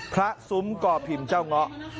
ซุ้มก่อพิมพ์เจ้าเงาะ